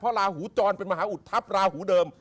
เพราะราหูจรเป็นมหาอุดทัพราหูเดิม